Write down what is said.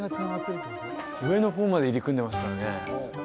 上の方まで入り組んでますからね